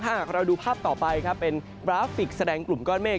หากเราดูภาพต่อไปครับเป็นกราฟิกแสดงกลุ่มก้อนเมฆ